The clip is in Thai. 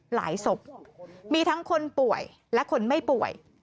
ศพมีทั้งคนป่วยและคนไม่ป่วย